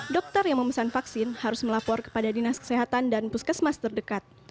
dokter yang memesan vaksin harus melapor kepada dinas kesehatan dan puskesmas terdekat